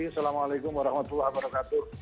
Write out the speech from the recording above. assalamualaikum warahmatullahi wabarakatuh